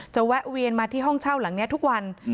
แวะเวียนมาที่ห้องเช่าหลังนี้ทุกวัน